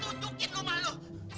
tutupin rumah lo